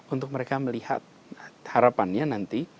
untuk mereka melihat harapannya nanti